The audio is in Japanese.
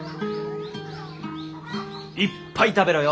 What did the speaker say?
いっぱい食べろよ。